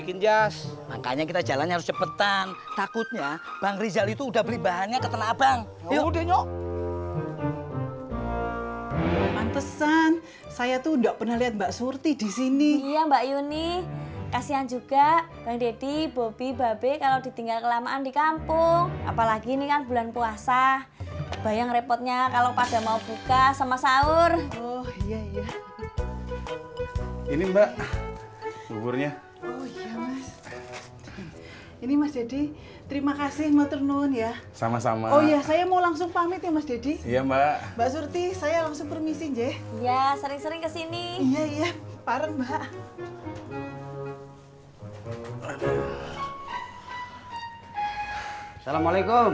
iya iya bareng mbak assalamualaikum salam salam